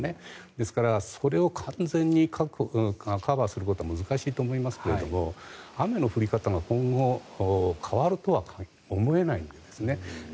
ですから、それを完全にカバーすることは難しいと思いますが雨の降り方が今後、変わるとは思えないんですね。